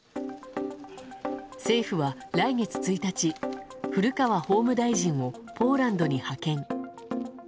政府は来月１日、古川法務大臣をポーランドに派遣。